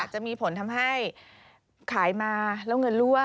จะมีผลทำให้ขายมาแล้วเงินรั่ว